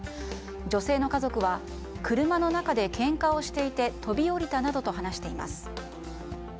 女性の家族は車の中でけんかをしていて飛び降りたなどと話しています。